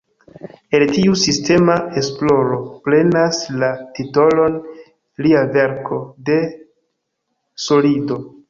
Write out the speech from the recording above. El tiu sistema esploro prenas la titolon lia verko "De solido".